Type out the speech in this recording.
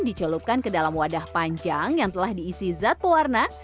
dicelupkan ke dalam wadah panjang yang telah diisi zat pewarna